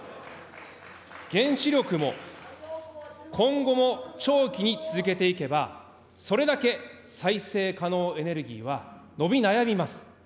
原子力も今後も長期に続けていけば、それだけ再生可能エネルギーは伸び悩みます。